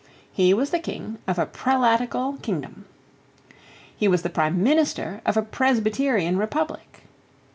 He was the King of a prelatical kingdom. He was the Prime Minister of a presbyterian republic.